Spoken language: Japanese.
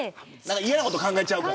嫌なこと考えちゃう。